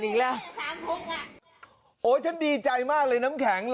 เอามันจะพุนมาตรงนี้